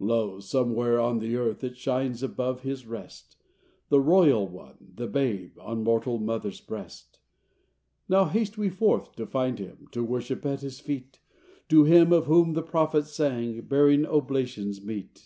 Lo! somewhere on the earth It shines above His rest— The Royal One, the Babe, On mortal mother’s breast. Now haste we forth to find Him— To worship at His feet, To Him of whom the prophets sang Bearing oblations meet!